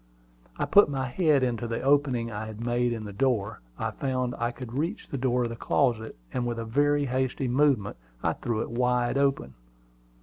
I put my head into the opening I had made in the door. I found I could reach the door of the closet; and with a very hasty movement I threw it wide open.